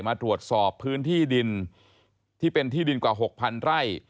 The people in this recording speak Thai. มาตรวจสอบพื้นที่ดินที่เป็นที่ดินกว่า๖๐๐ไร่